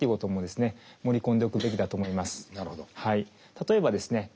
例えばですね